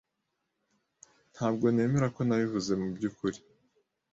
Ntabwo nemera ko nabivuze mubyukuri.